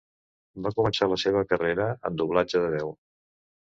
Va començar la seva carrera en doblatge de veu.